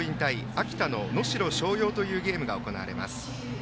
秋田の能代松陽というゲームが行われます。